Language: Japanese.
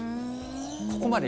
ここまで。